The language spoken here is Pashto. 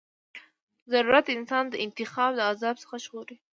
ضرورت انسان د انتخاب د عذاب څخه ژغوري.